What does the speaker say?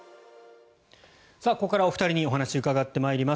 ここからお二人にお話、伺ってまいります。